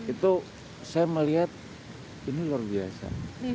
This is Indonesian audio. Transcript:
itu saya melihat ini luar biasa